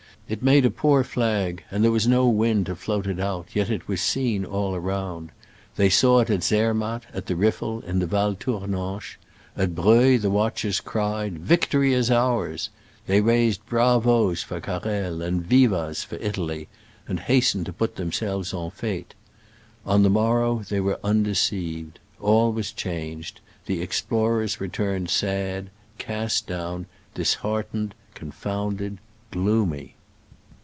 It made a poor flag, and there was no wind to float it out, yet it was seen all around. They saw it at Zermatt, at the Riffel, in the Val Tournanche. At Breuil the watchers cried, "Victory is ours!" They raised "bravos" for Car rel and "vivas" for Italy, and hastened to put them selves en fete. On the morrow they were unde ceived. All was changed : the explorers returned sad — cast down — dishearten ed — confounded — gloomy.